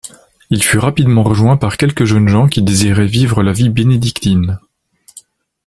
Il fut rapidement rejoint par quelques jeunes gens qui désiraient vivre la vie bénédictine.